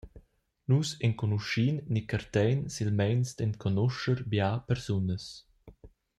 Nus enconuschin ni cartein silmeins d’enconuscher bia persunas.